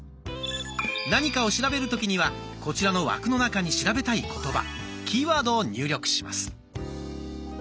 何かを調べる時にはこちらの枠の中に調べたい言葉キーワードを入力します。